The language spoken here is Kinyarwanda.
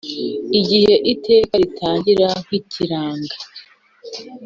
igihe Iteka ritangira ntikiragra.